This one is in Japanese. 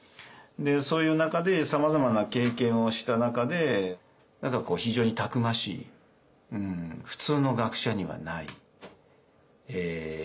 そういう中でさまざまな経験をした中で何かこう非常にたくましい普通の学者にはないえ